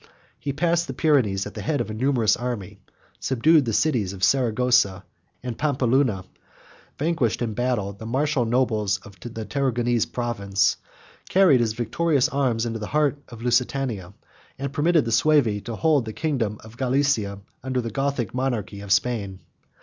He passed the Pyrenees at the head of a numerous army, subdued the cities of Saragossa and Pampeluna, vanquished in battle the martial nobles of the Tarragonese province, carried his victorious arms into the heart of Lusitania, and permitted the Suevi to hold the kingdom of Gallicia under the Gothic monarchy of Spain.